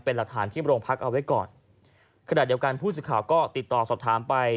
เป็นหลักฐานที่โรงพักเอาไว้ก่อนขณะเดียวกันผู้สื่อข่าวก็ติดต่อสอบถามไป